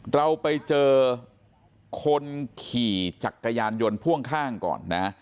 เราไปเจอคนขี่จักรยานยนต์พ่วงข้างก่อนนะ